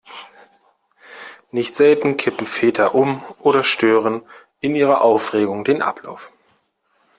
Nicht selten kippen Väter um oder stören in ihrer Aufregung den Ablauf.